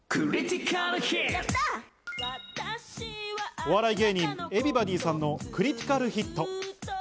お笑い芸人、Ｅｖｅｒｙｂｏｄｙさんのクリティカルヒット。